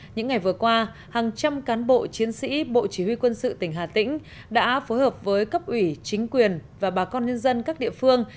những ngày vừa qua hàng trăm cán bộ chiến sĩ bộ chỉ huy quân sự tỉnh hà tĩnh đã phối hợp với cấp ủy chính quyền và bà con nhân dân các địa phương